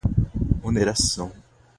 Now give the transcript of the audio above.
oneração